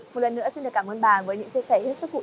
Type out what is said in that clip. một lần nữa xin được cảm ơn bà với những chia sẻ hết sức hữu